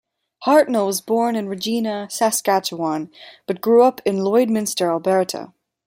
Hartnell was born in Regina, Saskatchewan, but grew up in Lloydminster, Alberta.